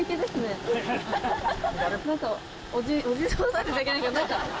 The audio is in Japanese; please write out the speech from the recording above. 何か。